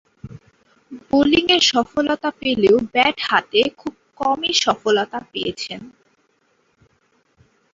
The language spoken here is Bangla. বোলিংয়ে সফলতা পেলেও ব্যাট হাতে খুব কমই সফলতা পেয়েছেন।